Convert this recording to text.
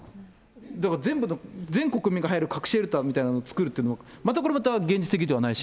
だから全国民が入る核シェルターみたいなのを作るってのも、また、これまた現実的ではないし。